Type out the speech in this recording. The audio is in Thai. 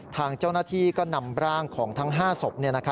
ทางเจ้าหน้าที่ก็นำร่างของทั้ง๕ศพ